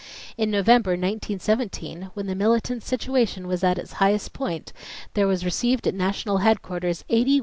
In November, 1917, when the militant situation was at its highest point, there was received at National Headquarters $81,117.